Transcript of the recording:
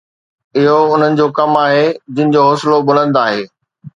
اهو انهن جو ڪم آهي جن جو حوصلو بلند آهي